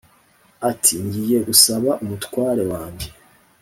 Ati"ngiye gusaba umutware wanjye